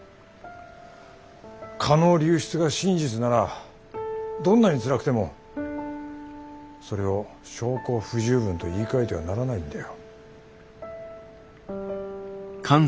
蚊の流出が真実ならどんなにつらくてもそれを証拠不十分と言いかえてはならないんだよ。